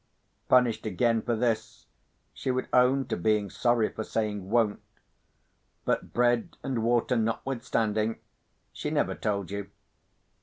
Punished again for this, she would own to being sorry for saying "won't;" but, bread and water notwithstanding, she never told you.